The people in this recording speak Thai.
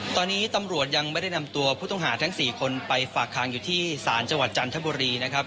ตอนนี้ตำรวจยังไม่ได้นำตัวผู้ต้องหาทั้ง๔คนไปฝากค้างอยู่ที่ศาลจังหวัดจันทบุรีนะครับ